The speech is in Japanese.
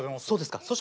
そうですか。